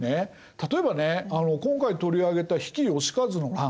例えばね今回取り上げた比企能員の乱。